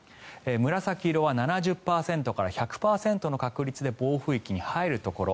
紫色は７０％から１００％の確率で暴風域に入るところ。